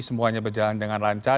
semuanya berjalan dengan lancar